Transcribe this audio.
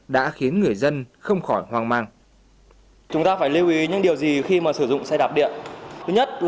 đã khiến người sử dụng xe đạp điện